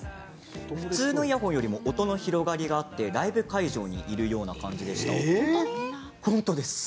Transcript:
普通のイヤホンよりも音の広がりがあってライブ会場にいるような感じでした。